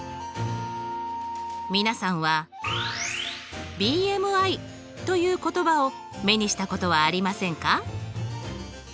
皆さんはＢＭＩという言葉を目にしたことはありませんか？